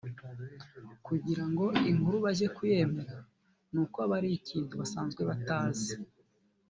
kugirango inkuru bazajye kuyemera n’uko kiba ari ikintu basanzwe batazi